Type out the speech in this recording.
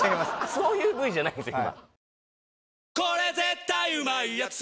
そういうＶじゃないんですよ